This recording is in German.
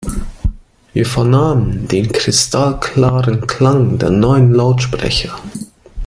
Wir vernahmen den kristallklaren Klang der neuen Lautsprecher.